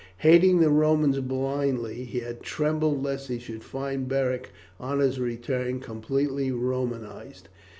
Hating the Romans blindly he had trembled lest he should find Beric on his return completely Romanized.